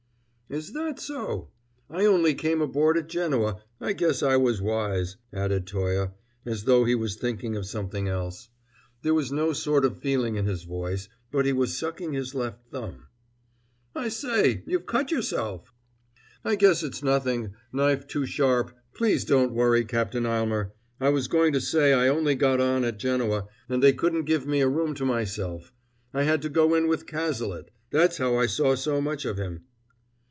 "Is that so? I only came aboard at Genoa. I guess I was wise," added Toye, as though he was thinking of something else. There was no sort of feeling in his voice, but he was sucking his left thumb. "I say, you've cut yourself!" "I guess it's nothing. Knife too sharp; please don't worry, Captain Aylmer. I was going to say I only got on at Genoa, and they couldn't give me a room to myself. I had to go in with Cazalet; that's how I saw so much of him."